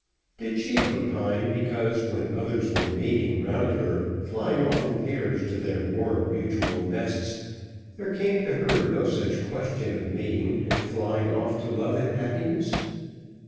Did she ever pine because, when others were mating round her, flying off in pairs to their warm mutual nests, there came to her no such question of mating and flying off to love and happiness?